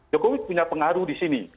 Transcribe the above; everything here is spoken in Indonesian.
jokowi punya pengaruh di sini